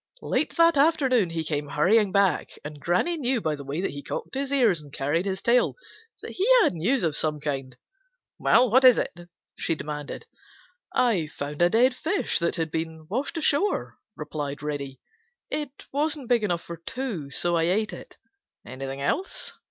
Late that afternoon he came hurrying back, and Granny knew by the way that he cocked his ears and carried his tail that he had news of some kind. "Well, what is it?" she demanded. "I found a dead fish that had been washed ashore," replied Reddy. "It wasn't big enough for two, so I ate it." "Anything else?"